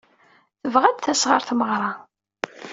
Tebɣa ad d-tas ɣer tmeɣra.